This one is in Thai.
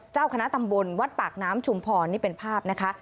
เจ้าคณะตำบลวัดปากน้ำชุมพรนี่เป็นภาพนะคะ